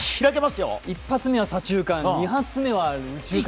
１発目は左中間、２発目は右中間。